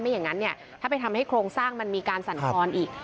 อย่างนั้นเนี่ยถ้าไปทำให้โครงสร้างมันมีการสั่นครอีก